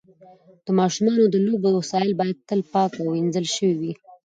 د ماشومانو د لوبو وسایل باید تل پاک او وینځل شوي وي.